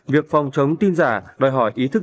việc phòng chống tin giả đòi hỏi ý thức